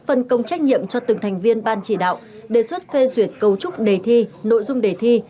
phân công trách nhiệm cho từng thành viên ban chỉ đạo đề xuất phê duyệt cấu trúc đề thi nội dung đề thi